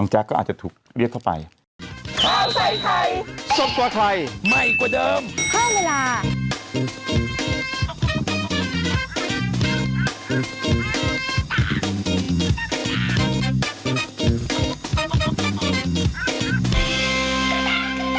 จะถูกเรียกเข้าไป